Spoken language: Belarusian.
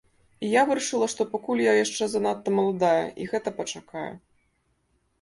І я вырашыла, што пакуль я яшчэ занадта маладая, і гэта пачакае.